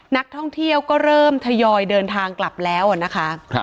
นักท่องเที่ยวก็เริ่มทยอยเดินทางกลับแล้วนะคะ